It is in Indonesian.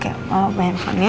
oke mau pake handphone ya